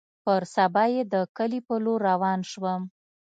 پر سبا يې د کلي په لور روان سوم.